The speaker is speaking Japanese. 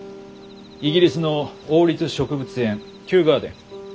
イギリスの王立植物園キューガーデン